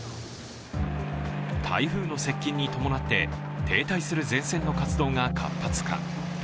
台風の接近に伴って停滞する前線の活動が活発化。